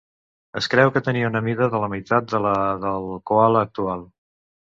Es creu que tenia una mida de la meitat de la del coala actual.